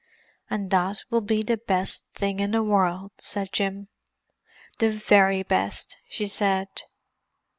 "And that will be the best thing in the world," said Jim. "The very best," she said.